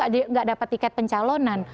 tidak dapat tiket pencalonan